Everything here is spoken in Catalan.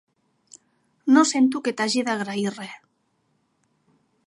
No sento que t'hagi d'agrair res.